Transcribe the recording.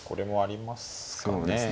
そうですね。